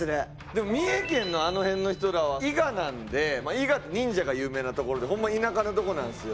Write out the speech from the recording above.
でも三重県のあの辺の人らは伊賀なんで伊賀って忍者が有名な所でホンマ田舎のとこなんですよ。